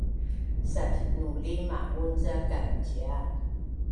Satnuli ma’un ca kamcia’